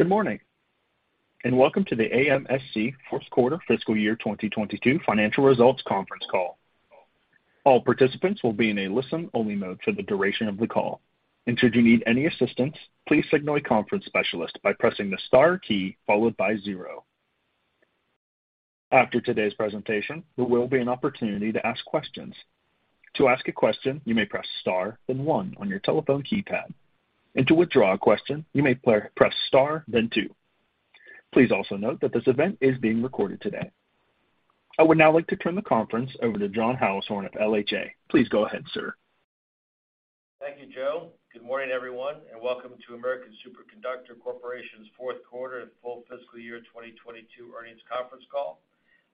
Good morning, and welcome to the AMSC fourth quarter fiscal year 2022 financial results conference call. All participants will be in a listen-only mode for the duration of the call. Should you need any assistance, please signal a conference specialist by pressing the star key followed by zero. After today's presentation, there will be an opportunity to ask questions. To ask a question, you may press star, then one on your telephone keypad. To withdraw a question, you may press star, then two. Please also note that this event is being recorded today. I would now like to turn the conference over to John Heilshorn of LHA. Please go ahead, sir. Thank you, Joe. Good morning, everyone, and welcome to American Superconductor Corporation's fourth quarter and full fiscal year 2022 earnings conference call.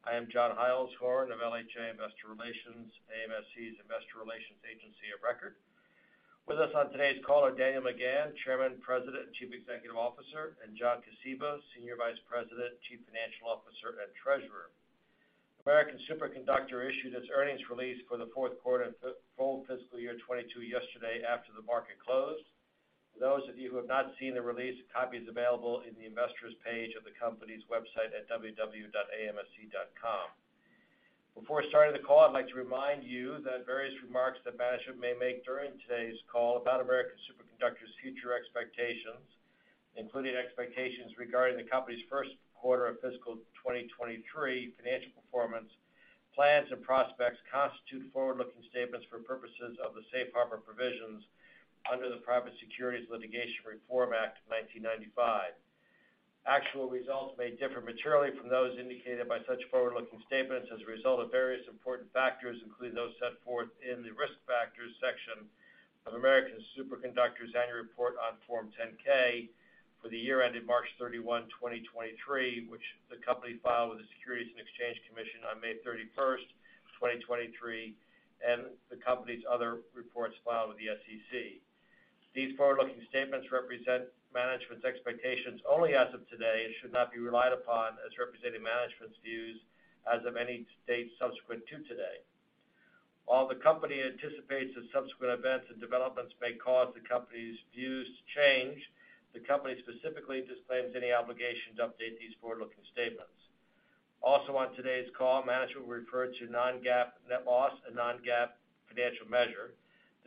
I am John Heilshorn of LHA Investor Relations, AMSC's investor relations agency of record. With us on today's call are Daniel McGahn, Chairman, President, and Chief Executive Officer, and John Kosiba, Senior Vice President, Chief Financial Officer, and Treasurer. American Superconductor issued its earnings release for the fourth quarter and full fiscal year 2022 yesterday after the market closed. For those of you who have not seen the release, a copy is available in the Investors page of the company's website at www.amsc.com. Before starting the call, I'd like to remind you that various remarks that management may make during today's call about American Superconductor's future expectations, including expectations regarding the company's first quarter of fiscal 2023 financial performance, plans and prospects, constitute forward-looking statements for purposes of the safe harbor provisions under the Private Securities Litigation Reform Act of 1995. Actual results may differ materially from those indicated by such forward-looking statements as a result of various important factors, including those set forth in the Risk Factors section of American Superconductor's annual report on Form 10-K for the year ended March 31, 2023, which the company filed with the Securities and Exchange Commission on May 31, 2023, and the company's other reports filed with the SEC. These forward-looking statements represent management's expectations only as of today and should not be relied upon as representing management's views as of any date subsequent to today. While the company anticipates that subsequent events and developments may cause the company's views to change, the company specifically disclaims any obligation to update these forward-looking statements. Also on today's call, management will refer to non-GAAP net loss, a non-GAAP financial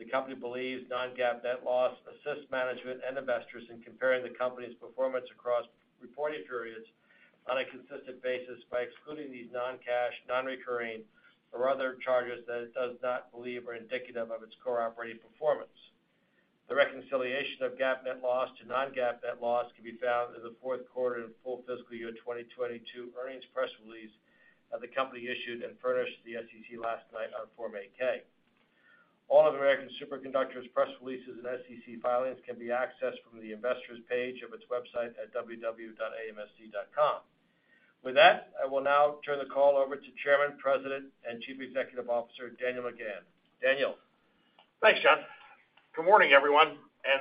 measure. The company believes non-GAAP net loss assists management and investors in comparing the company's performance across reporting periods on a consistent basis by excluding these non-cash, non-recurring, or other charges that it does not believe are indicative of its core operating performance. The reconciliation of GAAP net loss to non-GAAP net loss can be found in the fourth quarter and full fiscal year 2022 earnings press release that the company issued and furnished the SEC last night on Form 8-K. All of American Superconductor's press releases and SEC filings can be accessed from the Investors page of its website at www.amsc.com. With that, I will now turn the call over to Chairman, President, and Chief Executive Officer, Daniel McGahn. Daniel? Thanks, John. Good morning, everyone.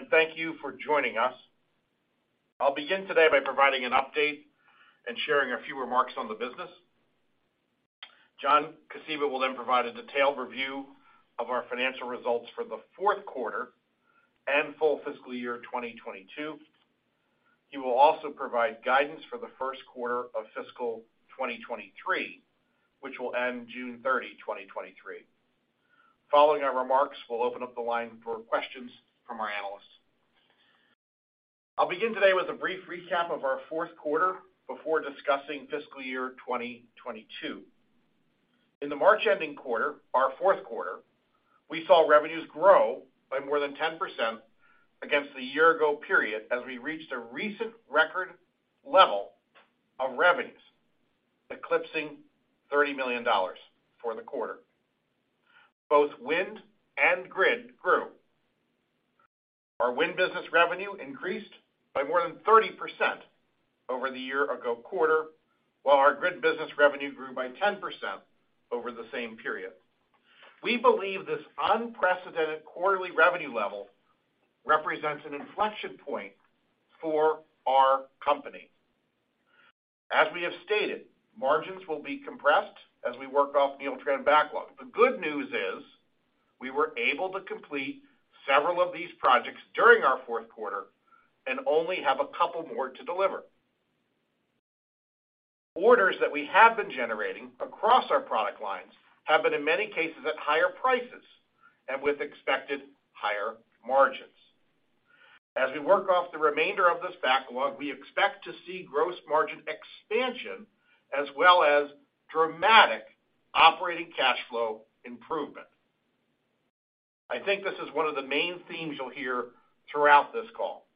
Thank you for joining us. I'll begin today by providing an update and sharing a few remarks on the business. John Kosiba will provide a detailed review of our financial results for the fourth quarter and full fiscal year 2022. He will also provide guidance for the first quarter of fiscal 2023, which will end June 30, 2023. Following our remarks, we'll open up the line for questions from our analysts. I'll begin today with a brief recap of our fourth quarter before discussing fiscal year 2022. In the March-ending quarter, our fourth quarter, we saw revenues grow by more than 10% against the year ago period as we reached a recent record level of revenues, eclipsing $30 million for the quarter. Both wind and grid grew. Our wind business revenue increased by more than 30% over the year-ago quarter, while our grid business revenue grew by 10% over the same period. We believe this unprecedented quarterly revenue level represents an inflection point for our company. As we have stated, margins will be compressed as we work off Neeltran backlog. The good news is, we were able to complete several of these projects during our fourth quarter and only have a couple more to deliver. Orders that we have been generating across our product lines have been, in many cases, at higher prices and with expected higher margins. As we work off the remainder of this backlog, we expect to see gross margin expansion as well as dramatic operating cash flow improvement. I think this is one of the main themes you'll hear throughout this call.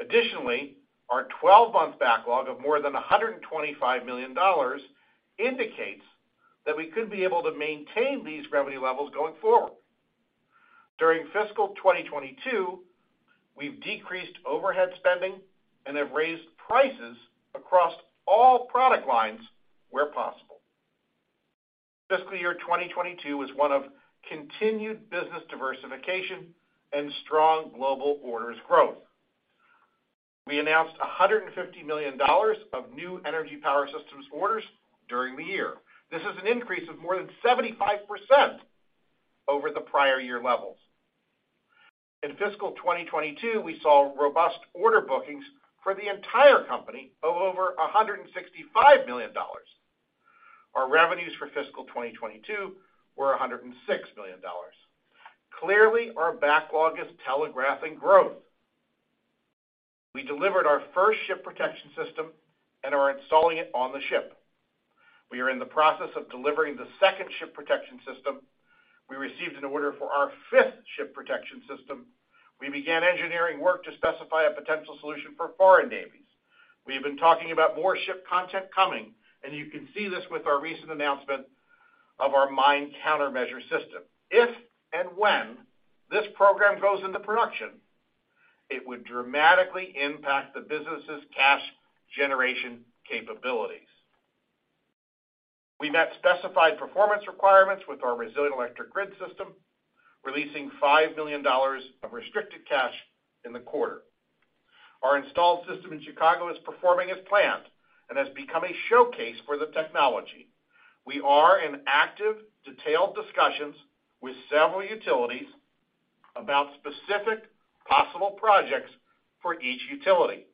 Additionally, our 12-month backlog of more than $125 million indicates that we could be able to maintain these revenue levels going forward. During fiscal 2022, we've decreased overhead spending and have raised prices across all product lines where possible. Fiscal year 2022 was one of continued business diversification and strong global orders growth. We announced $150 million of new energy power systems orders during the year. This is an increase of more than 75% over the prior year levels. In fiscal 2022, we saw robust order bookings for the entire company of over $165 million. Our revenues for fiscal 2022 were $106 million. Clearly, our backlog is telegraphing growth. We delivered our first ship protection system and are installing it on the ship. We are in the process of delivering the second ship protection system. We received an order for our fifth ship protection system. We began engineering work to specify a potential solution for foreign navies. You can see this with our recent announcement of our mine countermeasure system. If and when this program goes into production, it would dramatically impact the business's cash generation capabilities. We met specified performance requirements with our Resilient Electric Grid system, releasing $5 million of restricted cash in the quarter. Our installed system in Chicago is performing as planned and has become a showcase for the technology. We are in active, detailed discussions with several utilities about specific possible projects for each utility.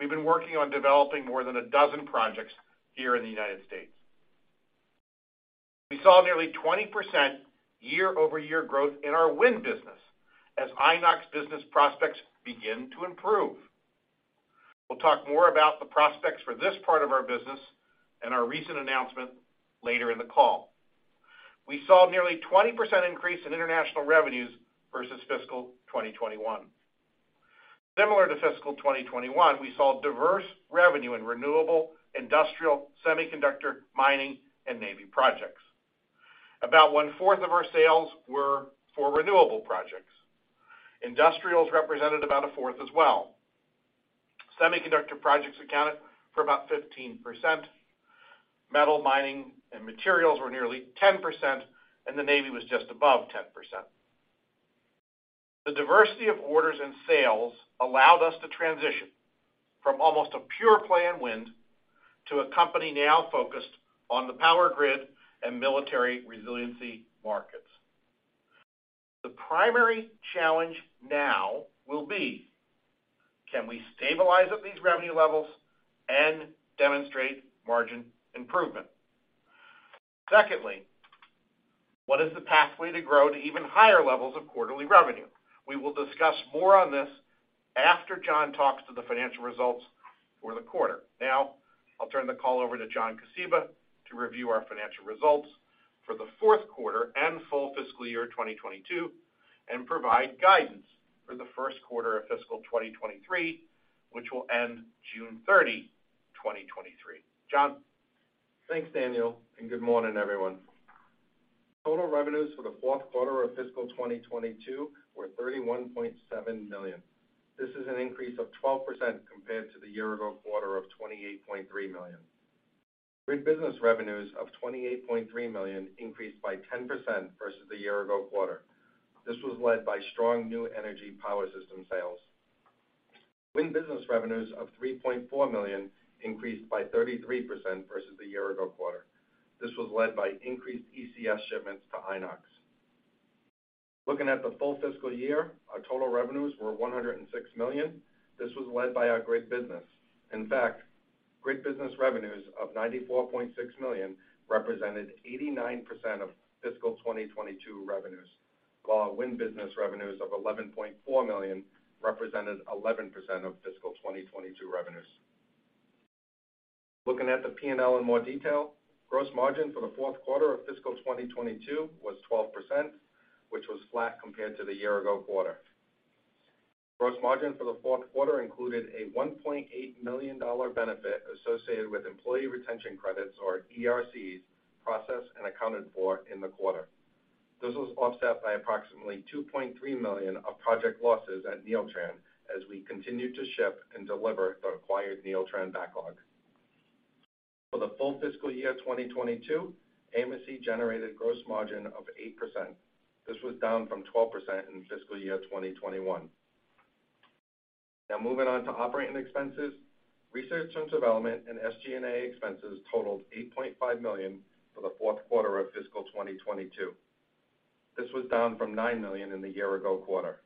We've been working on developing more than a dozen projects here in the United States. We saw nearly 20% year-over-year growth in our wind business as Inox business prospects begin to improve. We'll talk more about the prospects for this part of our business and our recent announcement later in the call. We saw nearly 20% increase in international revenues versus fiscal 2021. Similar to fiscal 2021, we saw diverse revenue in renewable, industrial, semiconductor, mining, and Navy projects. About 1/4 of our sales were for renewable projects. Industrials represented about 1/4 as well. Semiconductor projects accounted for about 15%. Metal mining and materials were nearly 10%, and the Navy was just above 10%. The diversity of orders and sales allowed us to transition from almost a pure play in wind to a company now focused on the power grid and military resiliency markets. The primary challenge now will be, can we stabilize at these revenue levels and demonstrate margin improvement? Secondly, what is the pathway to grow to even higher levels of quarterly revenue? We will discuss more on this after John talks to the financial results for the quarter. Now, I'll turn the call over to John Kosiba to review our financial results for the fourth quarter and full fiscal year 2022, and provide guidance for the first quarter of fiscal 2023, which will end June 30, 2023. John? Thanks, Daniel. Good morning, everyone. Total revenues for the fourth quarter of fiscal 2022 were $31.7 million. This is an increase of 12% compared to the year-ago quarter of $28.3 million. Grid business revenues of $28.3 million increased by 10% versus the year-ago quarter. This was led by strong new energy power system sales. Wind business revenues of $3.4 million increased by 33% versus the year-ago quarter. This was led by increased ECS shipments to Inox. Looking at the full fiscal year, our total revenues were $106 million. This was led by our grid business. In fact, grid business revenues of $94.6 million represented 89% of fiscal 2022 revenues, while our wind business revenues of $11.4 million represented 11% of fiscal 2022 revenues. Looking at the P&L in more detail, gross margin for the fourth quarter of fiscal 2022 was 12%, which was flat compared to the year-ago quarter. Gross margin for the fourth quarter included a $1.8 million benefit associated with Employee Retention Credits, or ERCs, processed and accounted for in the quarter. This was offset by approximately $2.3 million of project losses at Neeltran as we continued to ship and deliver the acquired Neeltran backlog. For the full fiscal year 2022, AMSC generated gross margin of 8%. This was down from 12% in fiscal year 2021. Moving on to operating expenses. Research and development and SG&A expenses totaled $8.5 million for the fourth quarter of fiscal 2022. This was down from $9 million in the year-ago quarter.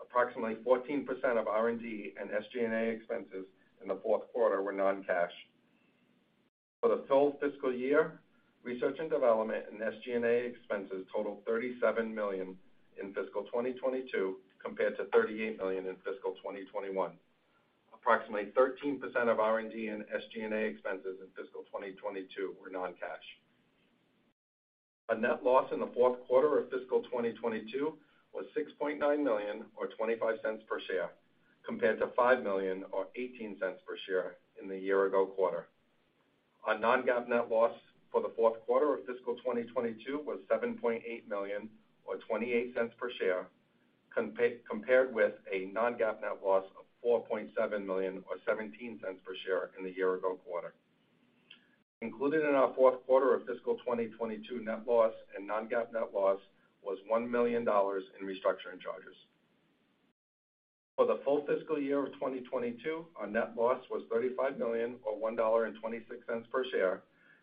Approximately 14% of R&D and SG&A expenses in the fourth quarter were non-cash. For the full fiscal year, research and development and SG&A expenses totaled $37 million in fiscal 2022, compared to $38 million in fiscal 2021. Approximately 13% of R&D and SG&A expenses in fiscal 2022 were non-cash. Our net loss in the fourth quarter of fiscal 2022 was $6.9 million, or $0.25 per share, compared to $5 million or $0.18 per share in the year-ago quarter. Our non-GAAP net loss for the fourth quarter of fiscal 2022 was $7.8 million or $0.28 per share, compared with a non-GAAP net loss of $4.7 million or $0.17 per share in the year-ago quarter. Included in our fourth quarter of fiscal 2022 net loss and non-GAAP net loss was $1 million in restructuring charges. For the full fiscal year of 2022, our net loss was $35 million, or $1.26 per share.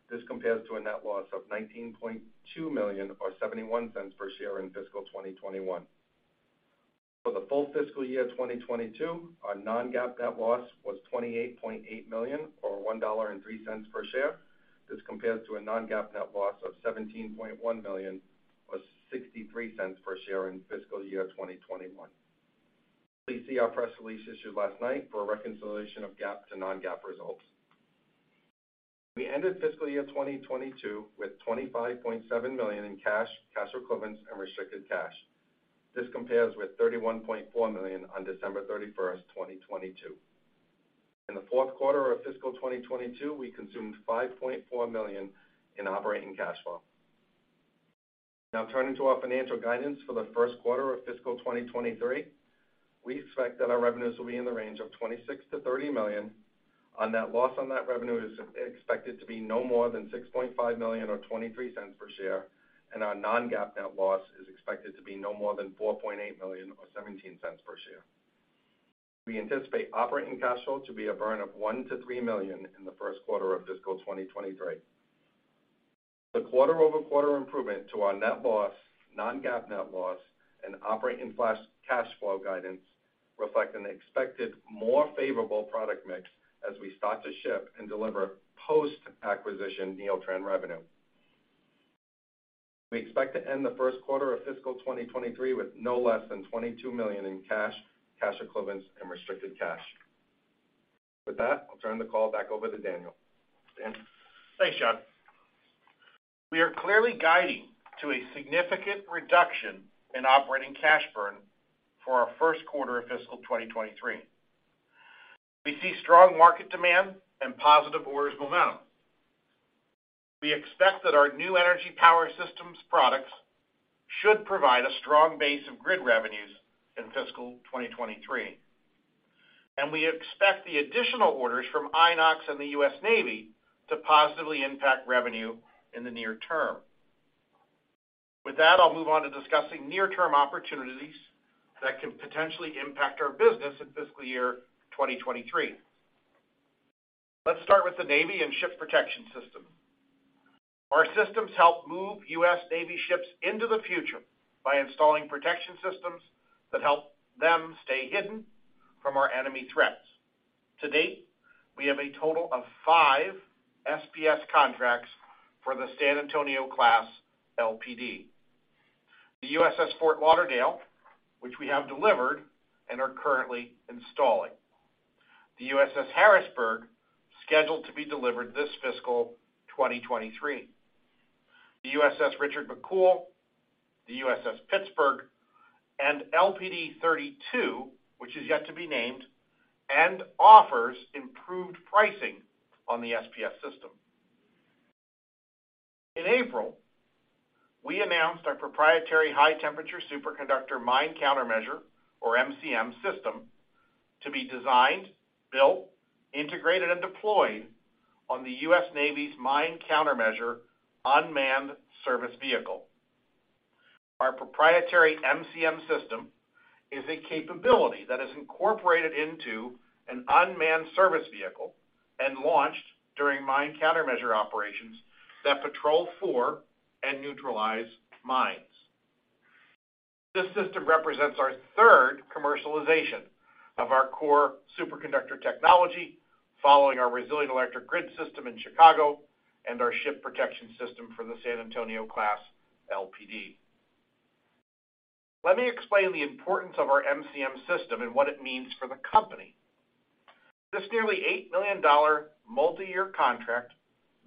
This compares to a net loss of $19.2 million, or $0.71 per share in fiscal 2021. For the full fiscal year 2022, our non-GAAP net loss was $28.8 million, or $1.03 per share. This compares to a non-GAAP net loss of $17.1 million, or $0.63 per share in fiscal year 2021. Please see our press release issued last night for a reconciliation of GAAP to non-GAAP results. We ended fiscal year 2022 with $25.7 million in cash equivalents, and restricted cash. This compares with $31.4 million on December 31st, 2022. In the fourth quarter of fiscal 2022, we consumed $5.4 million in operating cash flow. Now turning to our financial guidance for the first quarter of fiscal 2023, we expect that our revenues will be in the range of $26 million-$30 million, on that loss on that revenue is expected to be no more than $6.5 million or $0.23 per share, and our non-GAAP net loss is expected to be no more than $4.8 million or $0.17 per share. We anticipate operating cash flow to be a burn of $1 million-$3 million in the first quarter of fiscal 2023. The quarter-over-quarter improvement to our net loss, non-GAAP net loss, and operating cash flow guidance reflect an expected more favorable product mix as we start to ship and deliver post-acquisition Neeltran revenue. We expect to end the first quarter of fiscal 2023 with no less than $22 million in cash equivalents, and restricted cash. With that, I'll turn the call back over to Daniel. Dan? Thanks, John. We are clearly guiding to a significant reduction in operating cash burn for our first quarter of fiscal 2023. We see strong market demand and positive orders momentum. We expect that our new energy power systems products should provide a strong base of grid revenues in fiscal 2023. We expect the additional orders from Inox and the U.S. Navy to positively impact revenue in the near term. With that, I'll move on to discussing near-term opportunities that can potentially impact our business in fiscal year 2023. Let's start with the Navy and ship protection system. Our systems help move U.S. Navy ships into the future by installing protection systems that help them stay hidden from our enemy threats. To date, we have a total of five SPS contracts for the San Antonio class LPD. The USS Fort Lauderdale, which we have delivered and are currently installing, the USS Harrisburg, scheduled to be delivered this fiscal 2023, the USS Richard McCool, the USS Pittsburgh, and LPD-32, which is yet to be named and offers improved pricing on the SPS system. In April, we announced our proprietary high-temperature superconductor mine countermeasure, or MCM system, to be designed, built, integrated, and deployed on the U.S. Navy's mine countermeasure unmanned surface vehicle. Our proprietary MCM system is a capability that is incorporated into an unmanned surface vehicle and launched during mine countermeasure operations that patrol for and neutralize mines. This system represents our third commercialization of our core superconductor technology, following our Resilient Electric Grid system in Chicago and our ship protection system for the San Antonio-class LPD. Let me explain the importance of our MCM system and what it means for the company. This nearly $8 million multiyear contract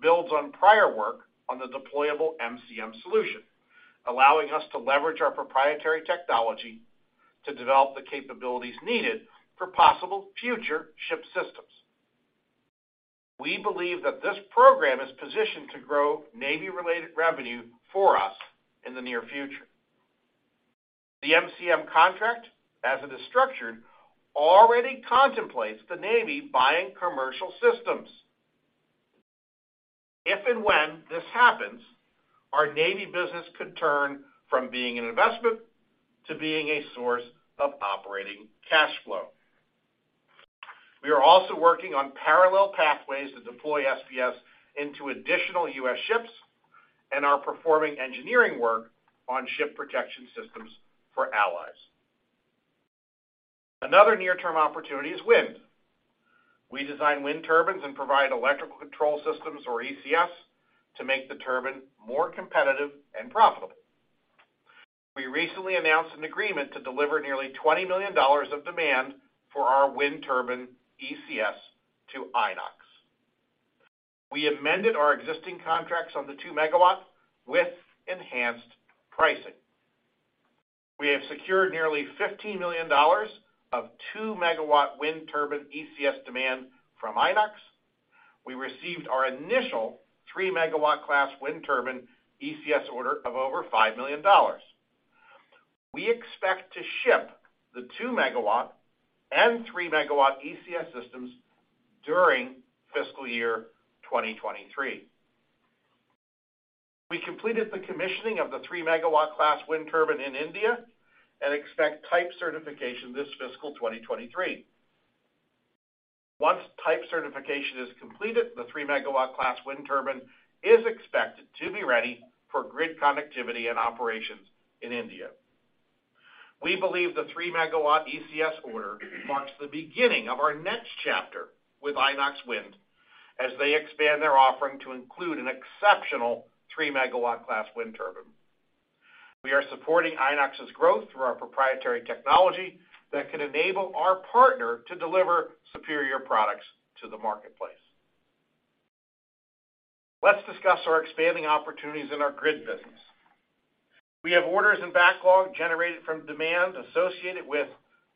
builds on prior work on the deployable MCM solution, allowing us to leverage our proprietary technology to develop the capabilities needed for possible future ship systems. We believe that this program is positioned to grow Navy-related revenue for us in the near future. The MCM contract, as it is structured, already contemplates the Navy buying commercial systems. If and when this happens, our Navy business could turn from being an investment to being a source of operating cash flow. We are also working on parallel pathways to deploy SPS into additional U.S. ships and are performing engineering work on ship protection systems for allies. Another near-term opportunity is wind. We design wind turbines and provide electrical control systems, or ECS, to make the turbine more competitive and profitable. We recently announced an agreement to deliver nearly $20 million of demand for our wind turbine ECS to Inox. We amended our existing contracts on the 2 MW with enhanced pricing. We have secured nearly $15 million of 2 MW wind turbine ECS demand from Inox. We received our initial 3 MW class wind turbine ECS order of over $5 million. We expect to ship the 2 MW and 3 MW ECS systems during fiscal year 2023. We completed the commissioning of the 3 MW class wind turbine in India and expect type certification this fiscal 2023. Once type certification is completed, the 3 MW class wind turbine is expected to be ready for grid connectivity and operations in India. We believe the 3 MW ECS order marks the beginning of our next chapter with Inox Wind, as they expand their offering to include an exceptional 3 MW class wind turbine. We are supporting Inox's growth through our proprietary technology that can enable our partner to deliver superior products to the marketplace. Let's discuss our expanding opportunities in our grid business. We have orders and backlog generated from demand associated with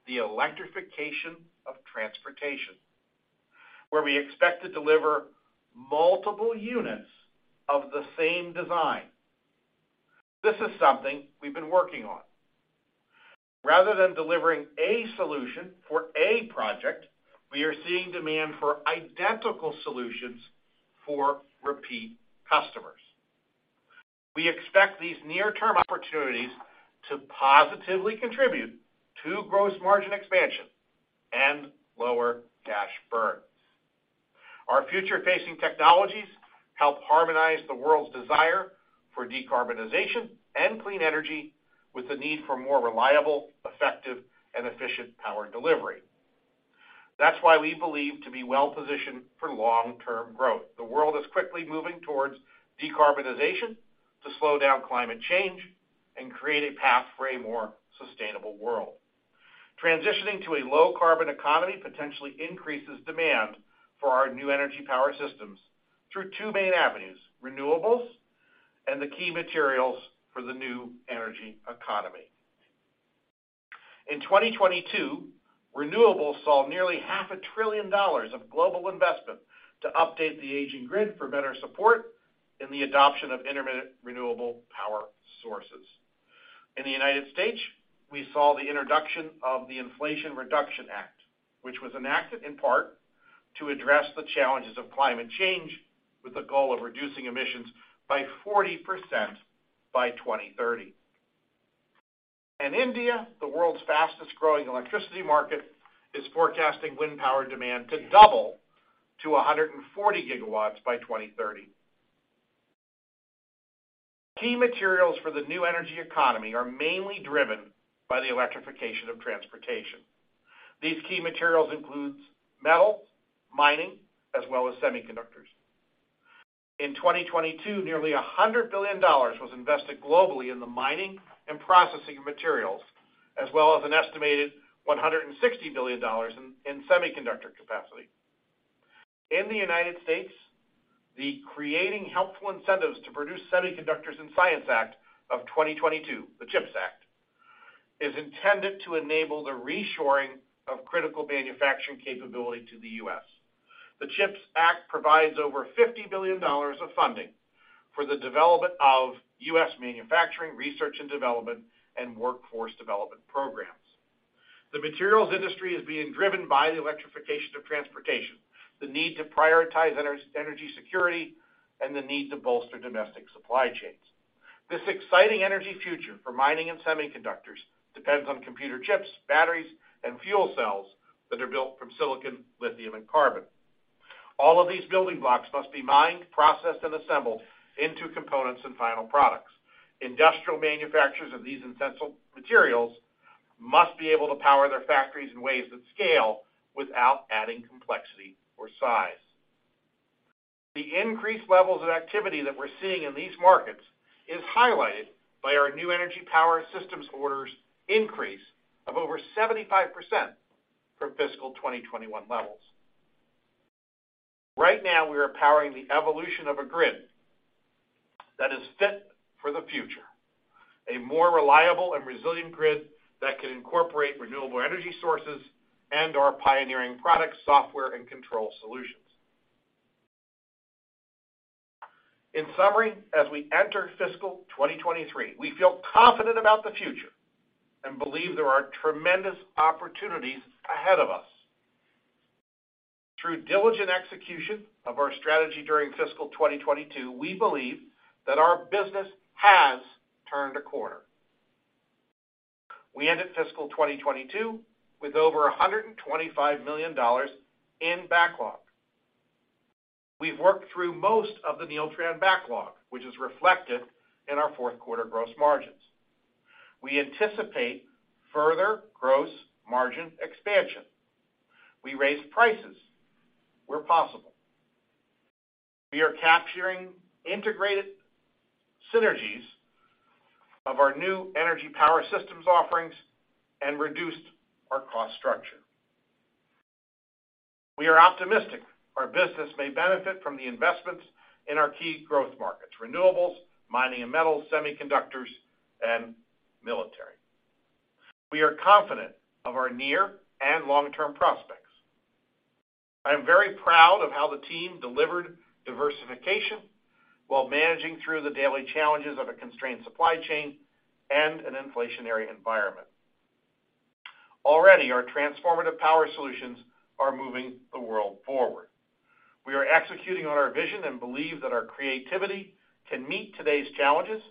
the electrification of transportation, where we expect to deliver multiple units of the same design. This is something we've been working on. Rather than delivering a solution for a project, we are seeing demand for identical solutions for repeat customers. We expect these near-term opportunities to positively contribute to gross margin expansion and lower cash burn. Our future-facing technologies help harmonize the world's desire for decarbonization and clean energy, with the need for more reliable, effective, and efficient power delivery. That's why we believe to be well-positioned for long-term growth. The world is quickly moving towards decarbonization to slow down climate change and create a path for a more sustainable world. Transitioning to a low-carbon economy potentially increases demand for our new energy power systems through two main avenues, renewables and the key materials for the new energy economy. In 2022, renewables saw nearly half a trillion dollars of global investment to update the aging grid for better support in the adoption of intermittent renewable power sources. In the United States, we saw the introduction of the Inflation Reduction Act, which was enacted in part to address the challenges of climate change, with the goal of reducing emissions by 40% by 2030. India, the world's fastest growing electricity market, is forecasting wind power demand to double to 140 GW by 2030. Key materials for the new energy economy are mainly driven by the electrification of transportation. These key materials includes metals, mining, as well as semiconductors. In 2022, nearly $100 billion was invested globally in the mining and processing of materials, as well as an estimated $160 billion in semiconductor capacity. In the United States, the Creating Helpful Incentives to Produce Semiconductors and Science Act of 2022, the CHIPS Act, is intended to enable the reshoring of critical manufacturing capability to the U.S. The CHIPS Act provides over $50 billion of funding for the development of U.S. manufacturing, research and development, and workforce development programs. The materials industry is being driven by the electrification of transportation, the need to prioritize energy security, and the need to bolster domestic supply chains. This exciting energy future for mining and semiconductors depends on computer chips, batteries, and fuel cells that are built from silicon, lithium, and carbon. All of these building blocks must be mined, processed, and assembled into components and final products. Industrial manufacturers of these essential materials must be able to power their factories in ways that scale without adding complexity or size. The increased levels of activity that we're seeing in these markets is highlighted by our new energy power systems orders increase of over 75% from fiscal 2021 levels. Right now, we are powering the evolution of a grid that is fit for the future, a more reliable and resilient grid that can incorporate renewable energy sources and our pioneering product, software, and control solutions. In summary, as we enter fiscal 2023, we feel confident about the future and believe there are tremendous opportunities ahead of us. Through diligent execution of our strategy during fiscal 2022, we believe that our business has turned a corner. We ended fiscal 2022 with over $125 million in backlog. We've worked through most of the Neeltran backlog, which is reflected in our fourth quarter gross margins. We anticipate further gross margin expansion. We raised prices where possible. We are capturing integrated synergies of our new energy power systems offerings and reduced our cost structure. We are optimistic our business may benefit from the investments in our key growth markets, renewables, mining and metals, semiconductors, and military. We are confident of our near and long-term prospects. I am very proud of how the team delivered diversification while managing through the daily challenges of a constrained supply chain and an inflationary environment. Already, our transformative power solutions are moving the world forward. We are executing on our vision and believe that our creativity can meet today's challenges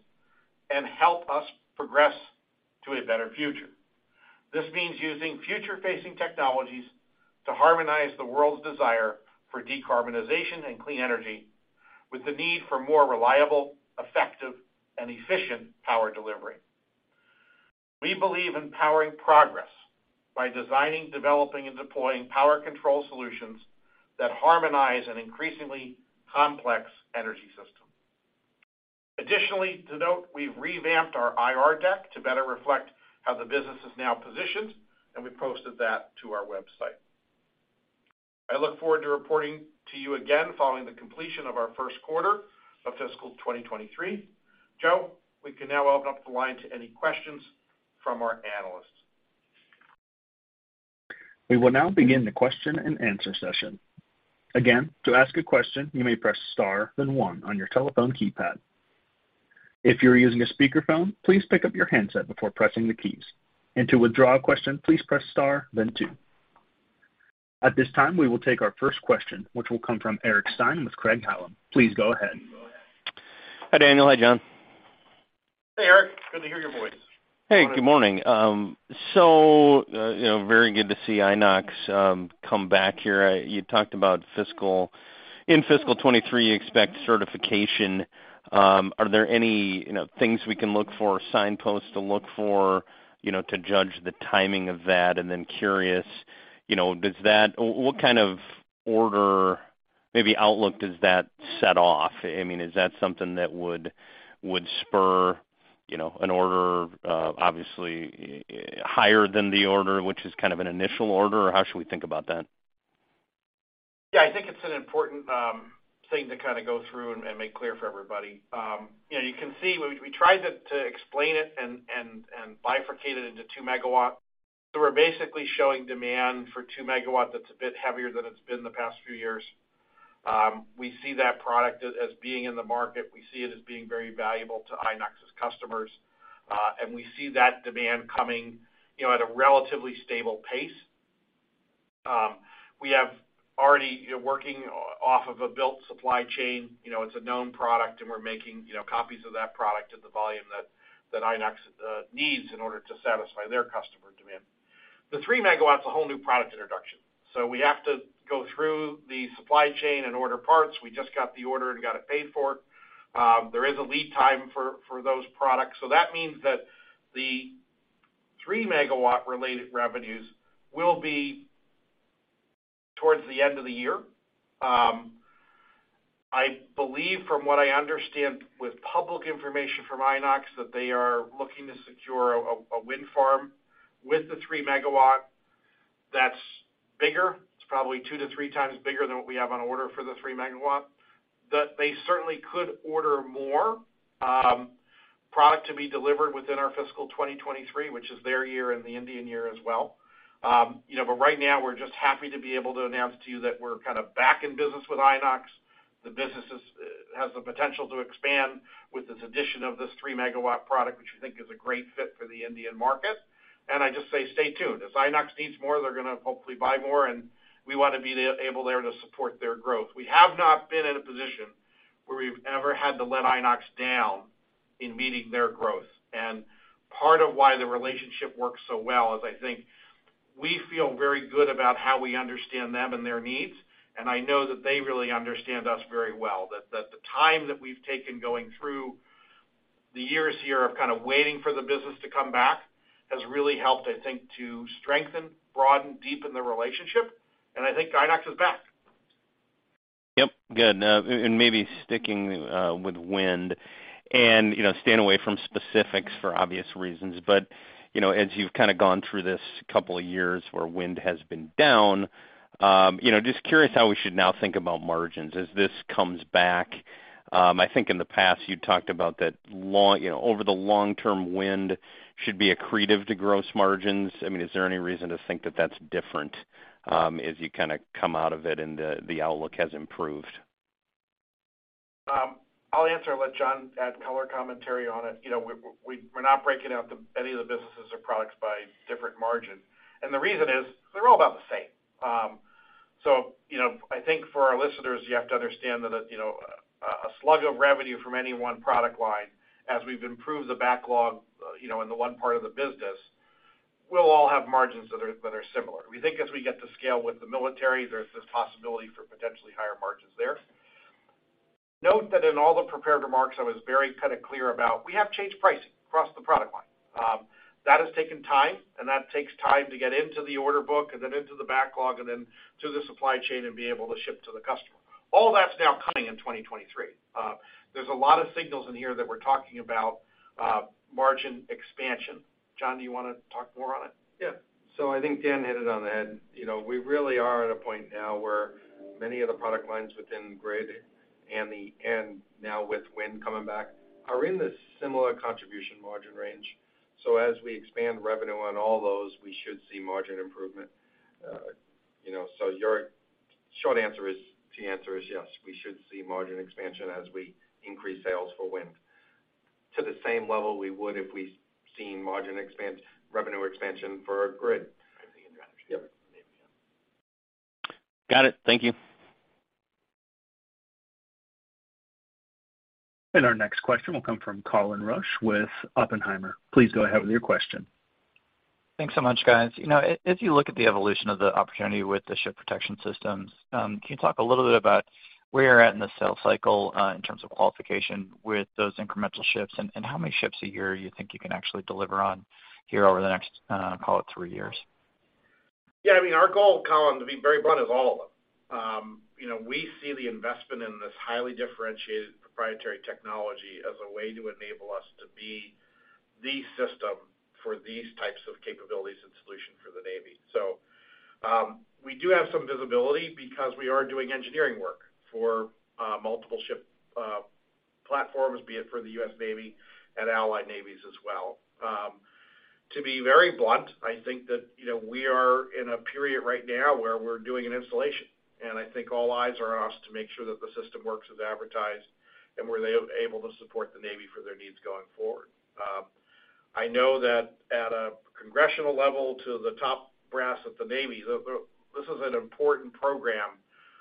and help us progress to a better future. This means using future-facing technologies to harmonize the world's desire for decarbonization and clean energy, with the need for more reliable, effective, and efficient power delivery. We believe in powering progress by designing, developing, and deploying power control solutions that harmonize an increasingly complex energy system. Additionally, to note, we've revamped our IR deck to better reflect how the business is now positioned, and we've posted that to our website. I look forward to reporting to you again following the completion of our first quarter of fiscal 2023. Joe, we can now open up the line to any questions from our analysts. We will now begin the question-and-answer session. Again, to ask a question, you may press Star, then one on your telephone keypad. If you're using a speakerphone, please pick up your handset before pressing the keys. And to withdraw a question, please press Star, then two. At this time, we will take our first question, which will come from Eric Stine with Craig-Hallum. Please go ahead. Hi, Daniel. Hi, John. Hey, Eric. Good to hear your voice. Hey, good morning. you know, very good to see Inox come back here. You talked about in fiscal 2023, you expect certification. Are there any, you know, things we can look for, signposts to look for, you know, to judge the timing of that? Curious, you know, what kind of order, maybe outlook, does that set off? I mean, is that something that would spur, you know, an order, obviously, higher than the order, which is kind of an initial order, or how should we think about that? I think it's an important thing to kind of go through and make clear for everybody. You know, you can see we tried to explain it and bifurcate it into 2 MW. We're basically showing demand for 2 MW that's a bit heavier than it's been the past few years. We see that product as being in the market. We see it as being very valuable to Inox's customers, and we see that demand coming, you know, at a relatively stable pace. We have already, you know, working off of a built supply chain, you know, it's a known product, and we're making, you know, copies of that product at the volume that Inox needs in order to satisfy their customer demand. The 3 MW is a whole new product introduction, we have to go through the supply chain and order parts. We just got the order and got it paid for. There is a lead time for those products. That means that the 3 MW related revenues will be towards the end of the year. I believe, from what I understand, with public information from Inox, that they are looking to secure a wind farm with the 3 MW that's bigger. It's probably 2x-3x bigger than what we have on order for the 3 MW. They certainly could order more product to be delivered within our fiscal 2023, which is their year and the Indian year as well. You know, right now, we're just happy to be able to announce to you that we're kind of back in business with Inox. The business has the potential to expand with this addition of this 3 MW product, which we think is a great fit for the Indian market. I just say, stay tuned. As Inox needs more, they're gonna hopefully buy more, we want to be able there to support their growth. We have not been in a position where we've ever had to let Inox down in meeting their growth. Part of why the relationship works so well is I think we feel very good about how we understand them and their needs, I know that they really understand us very well. That the time that we've taken going through the years here of kind of waiting for the business to come back, has really helped, I think, to strengthen, broaden, deepen the relationship, and I think Inox is back. Yep, good. Maybe sticking with wind and, you know, staying away from specifics for obvious reasons. You know, as you've kind of gone through this couple of years where wind has been down, you know, just curious how we should now think about margins as this comes back. I think in the past, you talked about, you know, over the long-term, wind should be accretive to gross margins. I mean, is there any reason to think that that's different as you kind of come out of it and the outlook has improved? I'll answer and let John add color commentary on it. You know, we're not breaking out any of the businesses or products by different margin, and the reason is, they're all about the same. You know, I think for our listeners, you have to understand that, you know, a slug of revenue from any one product line, as we've improved the backlog, you know, in the one part of the business, we'll all have margins that are similar. We think as we get to scale with the military, there's this possibility for potentially higher margins there. Note that in all the prepared remarks, I was very kind of clear about, we have changed pricing across the product line. That has taken time, and that takes time to get into the order book and then into the backlog and then to the supply chain and be able to ship to the customer. All that's now coming in 2023. There's a lot of signals in here that we're talking about margin expansion. John, do you wanna talk more on it? I think Dan hit it on the head. You know, we really are at a point now where many of the product lines within grid and now with wind coming back, are in this similar contribution margin range. As we expand revenue on all those, we should see margin improvement. You know, your short answer is, the answer is yes, we should see margin expansion as we increase sales for wind. To the same level we would if we've seen margin expand, revenue expansion for our grid. Got it. Thank you. Our next question will come from Colin Rusch with Oppenheimer. Please go ahead with your question. Thanks so much, guys. You know, as you look at the evolution of the opportunity with the Ship Protection Systems, can you talk a little bit about where you're at in the sales cycle, in terms of qualification with those incremental ships, and how many ships a year you think you can actually deliver on here over the next, call it 3 years? Our goal, Colin, to be very blunt, is all of them. You know, we see the investment in this highly differentiated proprietary technology as a way to enable us to be the system for these types of capabilities and solution for the Navy. We do have some visibility because we are doing engineering work for multiple ship platforms, be it for the U.S. Navy and allied navies as well. To be very blunt, I think that, you know, we are in a period right now where we're doing an installation, and I think all eyes are on us to make sure that the system works as advertised, and we're able to support the Navy for their needs going forward. I know that at a congressional level, to the top brass of the Navy, this is an important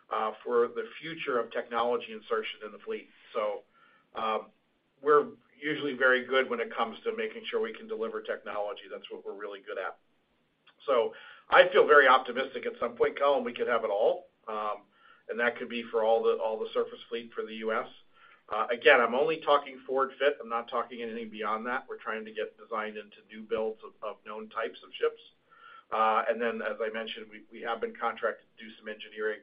program for the future of technology insertion in the fleet. We're usually very good when it comes to making sure we can deliver technology. That's what we're really good at. I feel very optimistic at some point, Colin, we could have it all, and that could be for all the, all the surface fleet for the U.S. Again, I'm only talking forward fit. I'm not talking anything beyond that. We're trying to get designed into new builds of known types of ships. And then, as I mentioned, we have been contracted to do some engineering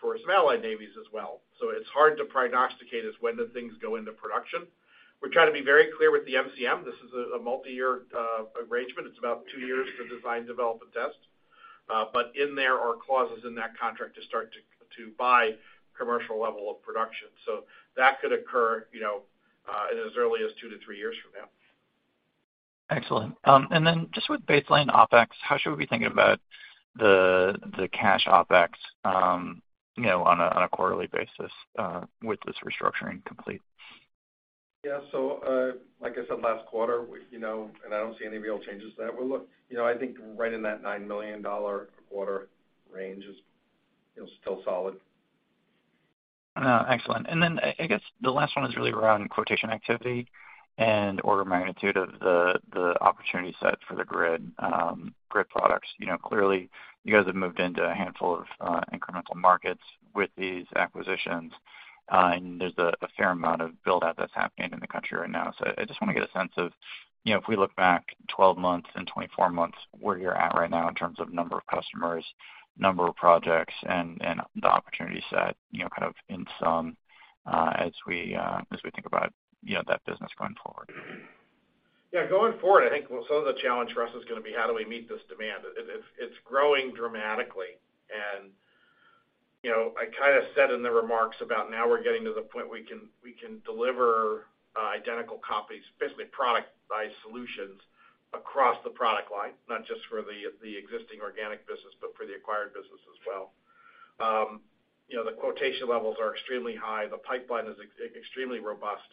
for some allied navies as well. It's hard to prognosticate as when do things go into production. We're trying to be very clear with the MCM. This is a multiyear arrangement. It's about two years for design, development, test, but in there are clauses in that contract to start to buy commercial level of production. That could occur, you know, in as early as two to three years from now. Excellent. Just with baseline OpEx, how should we be thinking about the cash OpEx, you know, on a quarterly basis, with this restructuring complete? Yeah. Like I said, last quarter, we, you know, and I don't see any real changes there. Well, look, you know, I think right in that $9 million quarter range is, you know, still solid. Excellent. I guess the last one is really around quotation activity and order of magnitude of the opportunity set for the grid grid products. You know, clearly, you guys have moved into a handful of incremental markets with these acquisitions, and there's a fair amount of build-out that's happening in the country right now. I just wanna get a sense of, you know, if we look back 12 months and 24 months, where you're at right now in terms of number of customers, number of projects, and the opportunity set, you know, kind of in sum, as we think about, you know, that business going forward. Yeah. Going forward, I think well, some of the challenge for us is gonna be how do we meet this demand? It's growing dramatically. You know, I kind of said in the remarks about now we're getting to the point we can, we can deliver identical copies, basically productized solutions across the product line, not just for the existing organic business, but for the acquired business as well. You know, the quotation levels are extremely high. The pipeline is extremely robust.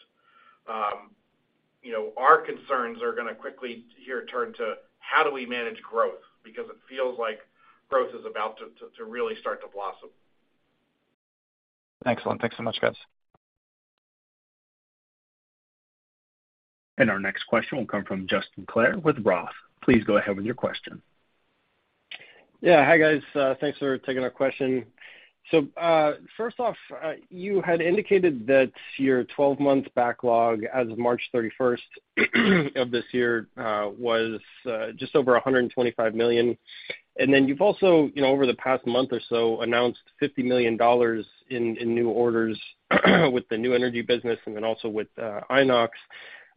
You know, our concerns are gonna quickly here turn to how do we manage growth? Because it feels like growth is about to really start to blossom. Excellent. Thanks so much, guys. Our next question will come from Justin Clare with Roth. Please go ahead with your question. Yeah. Hi, guys, thanks for taking our question. first off, you had indicated that your 12-month backlog as of March 31st, of this year, was just over $125 million. You've also, you know, over the past month or so, announced $50 million in new orders, with the new energy business and then also with Inox.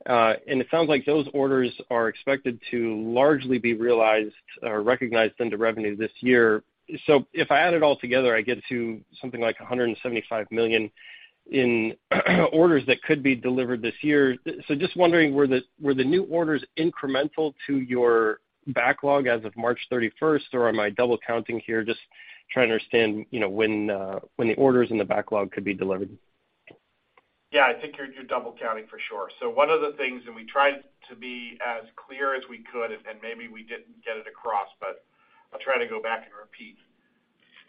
It sounds like those orders are expected to largely be realized or recognized into revenue this year. If I add it all together, I get to something like $175 million in orders that could be delivered this year. Just wondering, were the new orders incremental to your backlog as of March 31st, or am I double counting here? Just trying to understand, you know, when the orders in the backlog could be delivered. Yeah, I think you're double counting for sure. One of the things, and we tried to be as clear as we could, and maybe we didn't get it across, but I'll try to go back and repeat.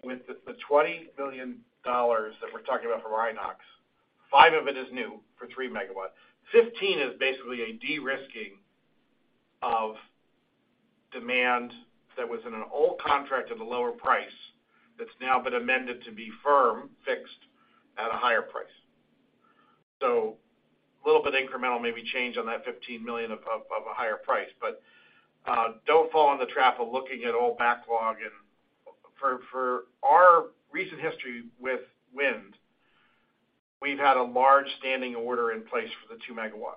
With the $20 million that we're talking about for Inox, five of it is new for 3 MW. 15 is basically a de-risking of demand that was in an old contract at a lower price, that's now been amended to be firm, fixed at a higher price. A little bit incremental, maybe change on that $15 million of a higher price, but don't fall in the trap of looking at old backlog. For our recent history with wind, we've had a large standing order in place for the 2 MW,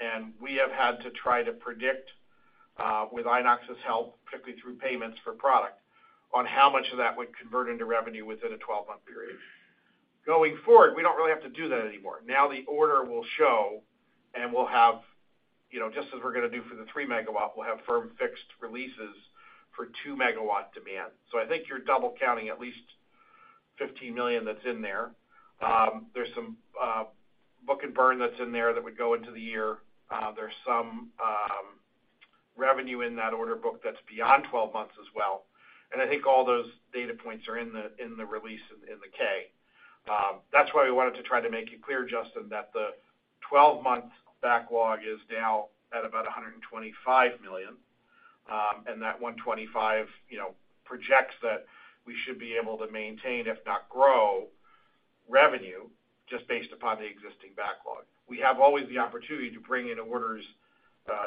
and we have had to try to predict, with Inox's help, particularly through payments for product, on how much of that would convert into revenue within a 12-month period. Going forward, we don't really have to do that anymore. Now, the order will show, and we'll have, you know, just as we're gonna do for the 3 MW, we'll have firm fixed releases for 2 MW demand. I think you're double counting at least $15 million that's in there. There's some book and burn that's in there that would go into the year. There's some revenue in that order book that's beyond 12 months as well. I think all those data points are in the, in the release in the K. That's why we wanted to try to make it clear, Justin, that the twelve-month backlog is now at about $125 million, and that $125 million, you know, projects that we should be able to maintain, if not grow, revenue just based upon the existing backlog. We have always the opportunity to bring in orders,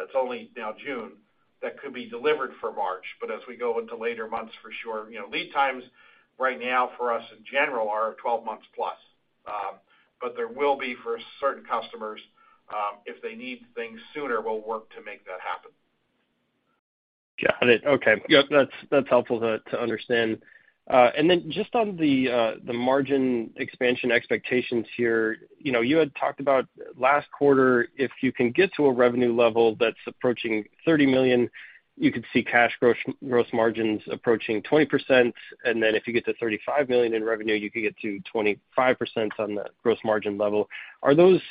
it's only now June, that could be delivered for March, but as we go into later months, for sure, you know, lead times right now for us in general are 12 months plus. There will be for certain customers, if they need things sooner, we'll work to make that happen. Got it. Okay. Yep, that's helpful to understand. Just on the margin expansion expectations here, you know, you had talked about last quarter, if you can get to a revenue level that's approaching $30 million, you could see gross margins approaching 20%, and then if you get to $35 million in revenue, you could get to 25% on the gross margin level. Are those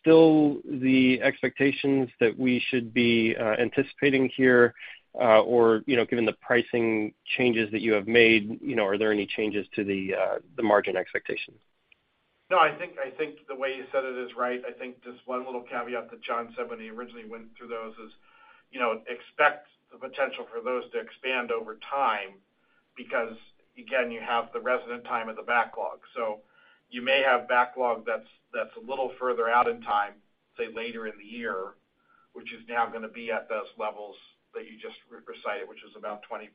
still the expectations that we should be anticipating here? Or, you know, given the pricing changes that you have made, you know, are there any changes to the margin expectations? I think the way you said it is right. I think just one little caveat that John said when he originally went through those is, you know, expect the potential for those to expand over time, because, again, you have the resident time of the backlog. You may have backlog that's a little further out in time, say, later in the year, which is now gonna be at those levels that you just re-recited, which is about 20%.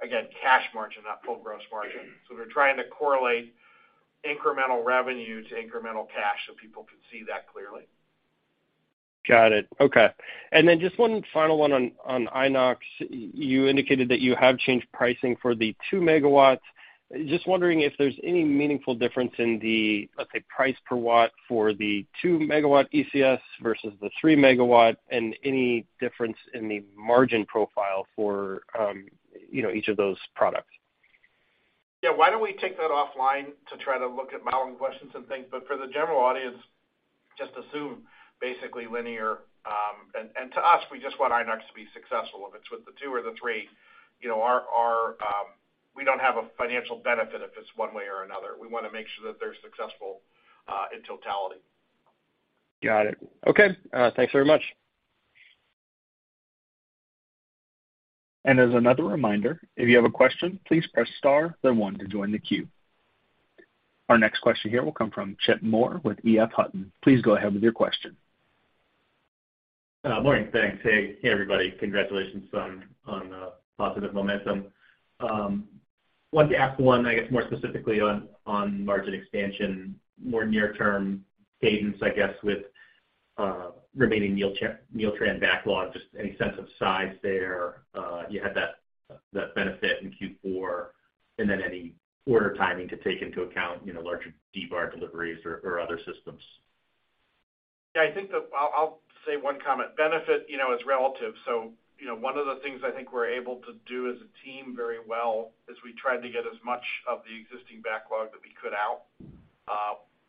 Again, cash margin, not full gross margin. We're trying to correlate incremental revenue to incremental cash so people can see that clearly. Got it. Okay. Just one final one on Inox. You indicated that you have changed pricing for the 2 MW. Just wondering if there's any meaningful difference in the, let's say, price per watt for the 2 MW ECS versus the 3 MW, and any difference in the margin profile for, you know, each of those products? Yeah, why don't we take that offline to try to look at modeling questions and things, for the general audience, just assume basically linear. To us, we just want Inox to be successful, if it's with the two or the three, you know, our, we don't have a financial benefit if it's one way or another. We wanna make sure that they're successful in totality. Got it. Okay, thanks very much. As another reminder, if you have a question, please press Star, then one to join the queue. Our next question here will come from Chip Moore with EF Hutton. Please go ahead with your question. Morning, thanks. Hey, everybody. Congratulations on positive momentum. Wanted to ask one, I guess, more specifically on margin expansion, more near-term cadence, I guess, with remaining Neeltran backlog, just any sense of size there. You had that benefit in Q4, and then any order timing to take into account, you know, larger D-VAR deliveries or other systems. Yeah, I think I'll say one comment. Benefit, you know, is relative. You know, one of the things I think we're able to do as a team very well is we tried to get as much of the existing backlog that we could out.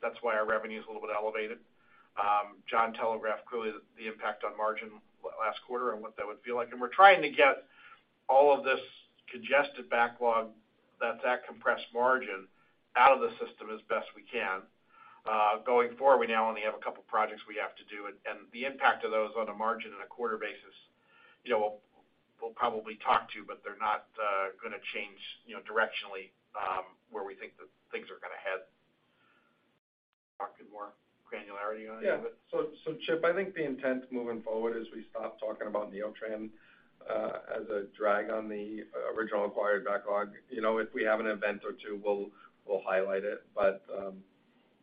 That's why our revenue is a little bit elevated. John telegraphed clearly the impact on margin last quarter and what that would feel like. We're trying to get all of this congested backlog, that's that compressed margin, out of the system as best we can. Going forward, we now only have a couple projects we have to do, and the impact of those on a margin and a quarter basis, you know, we'll probably talk to, but they're not gonna change, you know, directionally, where we think that things are gonna head. Talk in more granularity on it? Yeah. Chip, I think the intent moving forward is we stop talking about Neeltran, as a drag on the original acquired backlog. You know, if we have an event or two, we'll highlight it.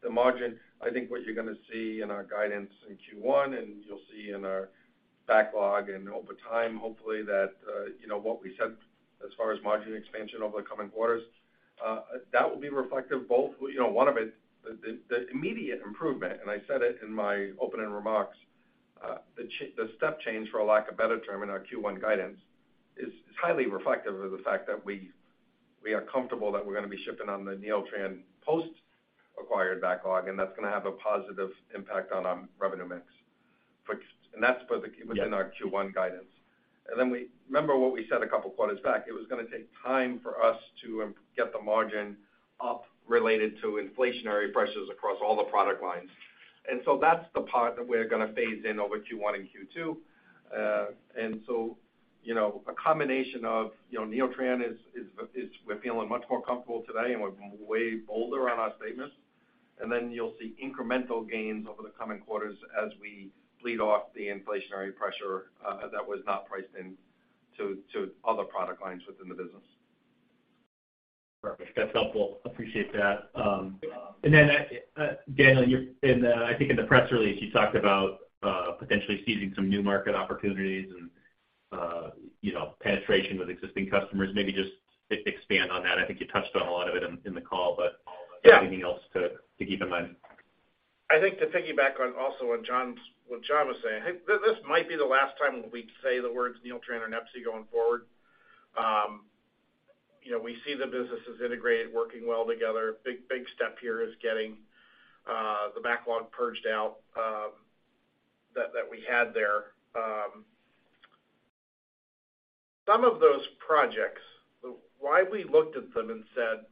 The margin, I think what you're gonna see in our guidance in Q1, and you'll see in our backlog and over time, hopefully, that, you know, what we said as far as margin expansion over the coming quarters, that will be reflective both, you know, one of it, the immediate improvement, and I said it in my opening remarks, the step change, for a lack of better term, in our Q1 guidance is highly reflective of the fact that we are comfortable that we're gonna be shipping on the Neeltran post-acquired backlog, and that's gonna have a positive impact on our revenue mix. And that's for the. Yeah. Within our Q1 guidance. Remember what we said a couple of quarters back, it was gonna take time for us to get the margin up related to inflationary pressures across all the product lines. That's the part that we're gonna phase in over Q1 and Q2. You know, a combination of, you know, Neeltran is we're feeling much more comfortable today, and we're way bolder on our statements. You'll see incremental gains over the coming quarters as we bleed off the inflationary pressure, that was not priced in to other product lines within the business. Perfect. That's helpful. Appreciate that. Daniel, in the, I think in the press release, you talked about, potentially seizing some new market opportunities and, you know, penetration with existing customers. Maybe just expand on that. I think you touched on a lot of it in the call, but... Yeah Anything else to keep in mind? I think to piggyback on also on John's, what John was saying, I think this might be the last time we say the words Neeltran and NEPSI going forward. you know, we see the businesses integrated, working well together. Big, big step here is getting the backlog purged out, that we had there. some of those projects, why we looked at them and said,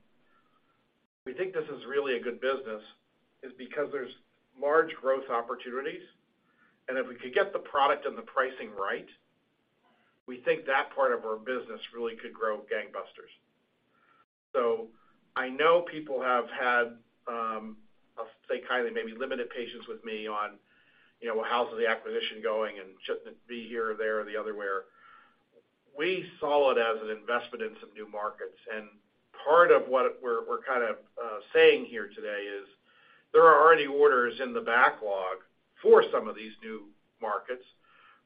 "We think this is really a good business," is because there's large growth opportunities, and if we could get the product and the pricing right, we think that part of our business really could grow gangbusters. I know people have had, I'll say kindly, maybe limited patience with me on, you know, well, how's the acquisition going and shouldn't it be here or there or the other where? We saw it as an investment in some new markets, and part of what we're kind of saying here today is there are already orders in the backlog for some of these new markets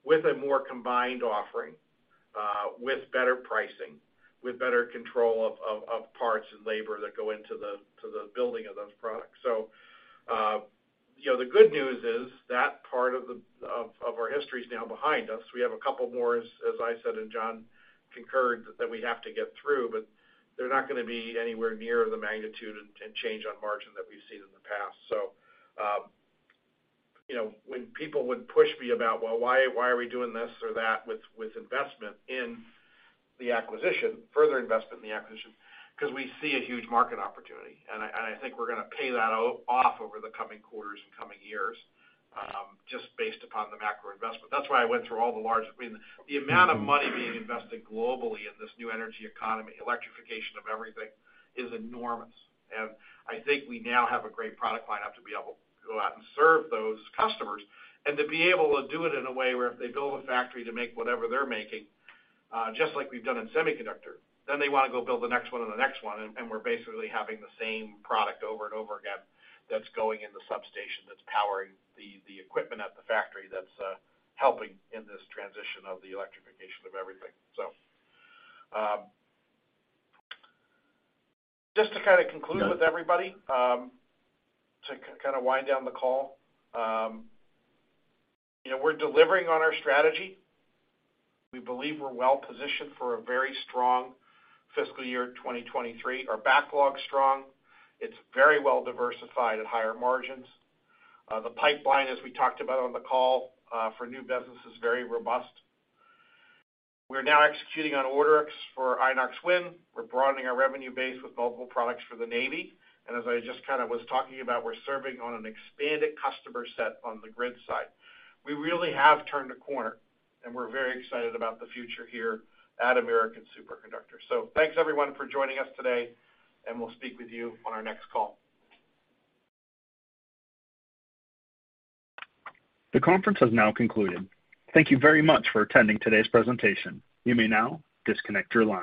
with a more combined offering, with better pricing, with better control of parts and labor that go into the building of those products. you know, the good news is, that part of the history is now behind us. We have a couple more, as I said, and John concurred, that we have to get through, but they're not gonna be anywhere near the magnitude and change on margin that we've seen in the past. You know, when people would push me about, "Well, why are we doing this or that with further investment in the acquisition?" We see a huge market opportunity, I think we're gonna pay that off over the coming quarters and coming years, just based upon the macro investment. That's why I went through all the large. I mean, the amount of money being invested globally in this new energy economy, electrification of everything, is enormous. I think we now have a great product lineup to be able to go out and serve those customers, and to be able to do it in a way where if they build a factory to make whatever they're making, just like we've done in semiconductor, then they wanna go build the next one and the next one, and we're basically having the same product over and over again that's going in the substation, that's powering the equipment at the factory, that's helping in this transition of the electrification of everything. Just to kind of conclude with everybody, to kind of wind down the call, you know, we're delivering on our strategy. We believe we're well positioned for a very strong fiscal year 2023. Our backlog's strong. It's very well diversified at higher margins. The pipeline, as we talked about on the call, for new business, is very robust. We're now executing on orders for Inox Wind. We're broadening our revenue base with multiple products for the Navy, and as I just kind of was talking about, we're serving on an expanded customer set on the grid side. We really have turned a corner, and we're very excited about the future here at American Superconductor. Thanks, everyone, for joining us today, and we'll speak with you on our next call. The conference has now concluded. Thank you very much for attending today's presentation. You may now disconnect your lines.